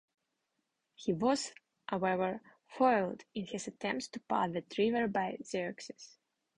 He was, however, foiled in his attempts to pass that river by Zeuxis.